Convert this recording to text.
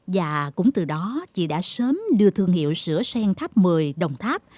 và cũng từ đó chị đã sớm đưa thương hiệu sữa sen tháp mười đồng tháp